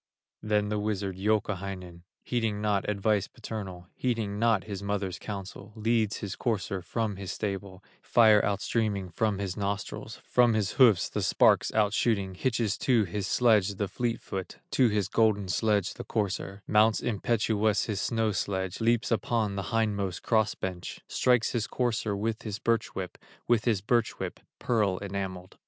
Then the wizard, Youkahainen, Heeding not advice paternal, Heeding not his mother's counsel, Leads his courser from his stable, Fire outstreaming from his nostrils, From his hoofs, the sparks outshooting, Hitches to his sledge, the fleet foot, To his golden sledge, the courser, Mounts impetuous his snow sledge, Leaps upon the hindmost cross bench, Strikes his courser with his birch whip, With his birch whip, pearl enamelled.